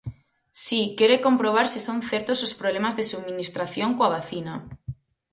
Si, quere comprobar se son certos os problemas de subministración coa vacina.